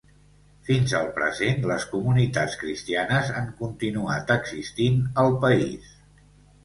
Fins al present les comunitats cristianes han continuat existint al país.